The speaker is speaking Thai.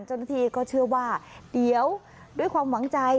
เจ้าหน้าที่ก็เชื่อว่าเดี๋ยวด้วยความหวังใจ